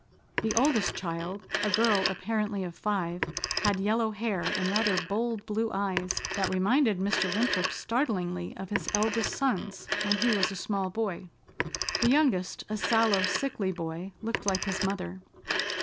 The oldest child, a girl apparently of five, had yellow hair and rather bold blue eyes that reminded Mr. Winthrop startlingly of his eldest son's when he was a small boy. The youngest, a sallow, sickly boy, looked like his mother.